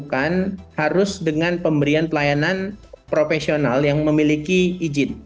nah ketentuan mengenai telemedicine juga itu dilakukan harus dengan pemberian pelayanan profesional yang memiliki ijin